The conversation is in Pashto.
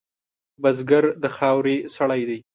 بزګر د خاورې سړی دی